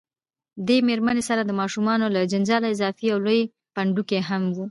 دې میرمنې سره د ماشومانو له جنجاله اضافه یو لوی پنډکی هم و.